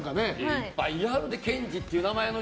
いっぱいいはるでケンジっていう方。